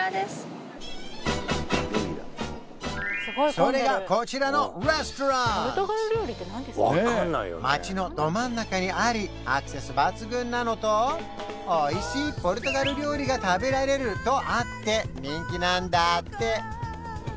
それがこちらのレストラン街のど真ん中にありアクセス抜群なのとおいしいポルトガル料理が食べられるとあって人気なんだってまずお肉料理